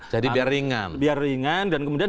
jadi biar ringan dan kemudian